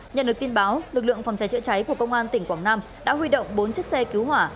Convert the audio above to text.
nhận được tin báo lực lượng phòng cháy chữa cháy của công an tỉnh quảng nam đã huy động bốn chiếc xe cứu hỏa